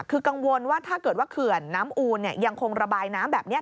คือกังวลว่าถ้าเกิดว่าเขื่อนน้ำอูนยังคงระบายน้ำแบบนี้